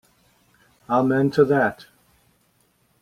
Amen to that.